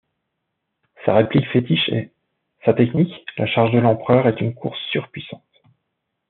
Sa réplique fétiche est: Sa technique, la Charge de l'Empereur est une course surpuissante.